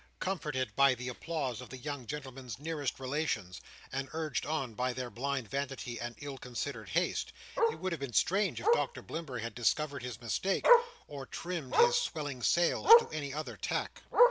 Comforted by the applause of the young gentlemen's nearest relations, and urged on by their blind vanity and ill considered haste, it would have been strange if Doctor Blimber had discovered his mistake, or trimmed his swelling sails to any other tack.